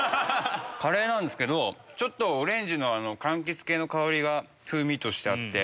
カレーなんですけどオレンジのかんきつ系の香りが風味としてあって。